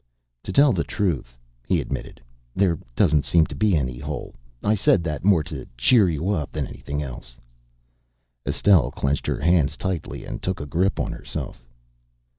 "To tell the truth," he admitted, "there doesn't seem to be any hole. I said that more to cheer you up than anything else." Estelle clenched her hands tightly and took a grip on herself.